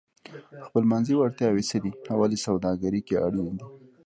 خپلمنځي وړتیاوې څه دي او ولې سوداګري کې اړینې دي؟